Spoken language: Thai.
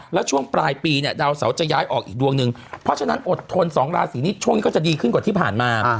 แล้วช่วงปลายปีเนี่ยดาวเสาจะย้ายออกอีกดวงหนึ่งเพราะฉะนั้นอดทน๒ราศีนี้ช่วงนี้ก็จะดีขึ้นกว่าที่ผ่านมา